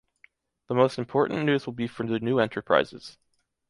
The most important news will be for the new enterprises.